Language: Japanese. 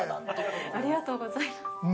ありがとうございます。